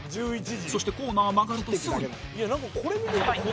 そして、コーナー曲がるとすぐに。